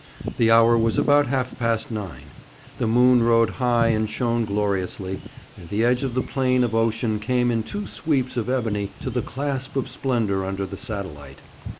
The hour was about half past nine. The moon rode high and shone gloriously, and the edge of the plain of ocean came in two sweeps of ebony to the clasp of splendour under the satellite.